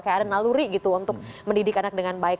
kayak ada naluri gitu untuk mendidik anak dengan baik